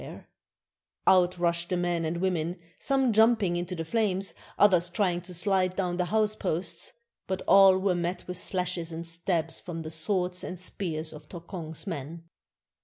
S68 A VISIT TO A HEAD HUNTER OF BORNEO Out rushed the men and women, some jumping into the flames, others trying to slide down the house posts ; but all were met with slashes and stabs from the swords and spears of Tokong's men.